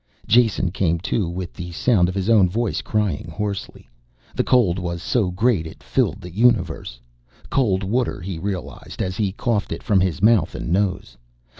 Jason came to with the sound of his own voice crying hoarsely. The cold was so great it filled the universe. Cold water he realized as he coughed it from his mouth and nose.